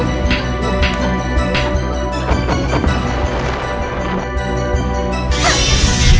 bagaimana abstracto yang kamu putarcir